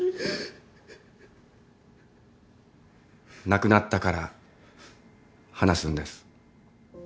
亡くなったから話すんです。